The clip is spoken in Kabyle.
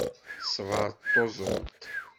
Ṣṣber d tuẓult.